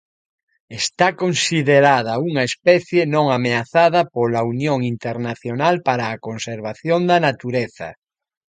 Está considerada unha especie non ameazada pola Unión Internacional para a Conservación da Natureza.